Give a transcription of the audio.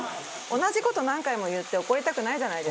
同じ事何回も言って怒りたくないじゃないですか。